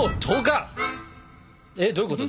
えっどういうこと？